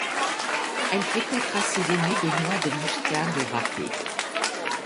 Elle peut être assaisonnée de noix de muscade râpée.